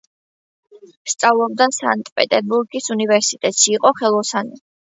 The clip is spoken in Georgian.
სწავლობდა სანქტ-პეტერბურგის უნივერსიტეტში, იყო ხელოსანი.